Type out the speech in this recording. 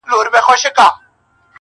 لنډۍ په غزل کي، درېیمه برخه!